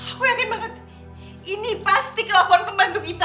aku yakin banget ini pasti kelakuan pembantu kita